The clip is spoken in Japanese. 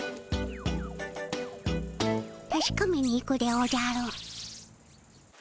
たしかめに行くでおじゃる。